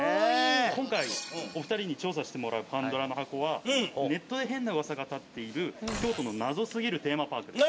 今回お二人に調査してもらうパンドラの箱はネットで変な噂が立っている京都の謎すぎるテーマパークです。